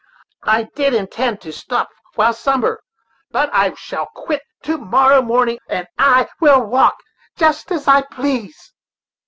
I did intend to stop while summer, but I shall quit to morrow morning; and I will talk just as I please."